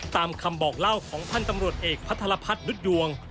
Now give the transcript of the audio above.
ตามคำบอกเล่าของพันธ์ตำรวจเอกพัทรพัฒนุษยวง